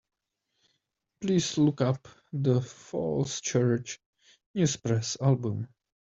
Please look up the Falls Church News-Press album.